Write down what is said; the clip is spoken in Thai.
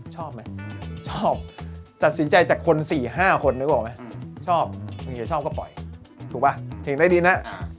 ชอบไหมชอบจัดสินใจจากคน๔๕คนมึงจะชอบก็ปล่อยถึงได้ดีนะ